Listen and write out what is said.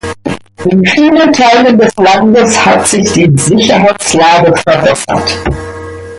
In vielen Teilen des Landes hat sich die Sicherheitslage verbessert.